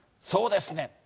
そうですね。